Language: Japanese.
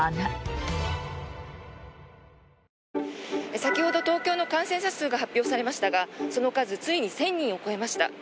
先ほど東京の感染者数が発表されましたがその数ついに１０００人を超えました。